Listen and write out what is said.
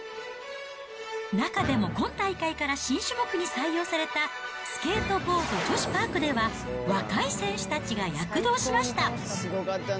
中でも今大会から新種目に採用された、スケートボード女子パークでは、若い選手たちが躍動しました。